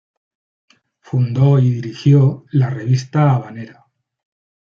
Fundó y dirigió la "Revista Habanera".